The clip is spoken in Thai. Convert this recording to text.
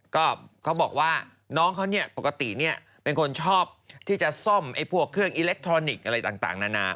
ก็เขาบอกว่าน้องเขาเนี่ยปกติเป็นคนชอบที่จะซ่อมพวกเครื่องอิเล็กทรอนิกส์อะไรต่างนานา